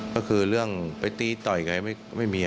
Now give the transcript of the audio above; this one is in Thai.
ก็คือเรื่องไปตีต่อยกันไม่มี